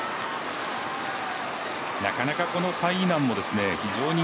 なかなかこの柴イ楠も非常に